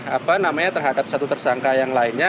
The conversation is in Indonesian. apa namanya terhadap satu tersangka yang lainnya